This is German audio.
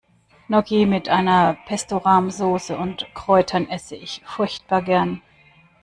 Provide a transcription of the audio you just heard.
Gnocchi mit einer Pesto-Rahm-Soße und Kräutern esse ich furchtbar gern.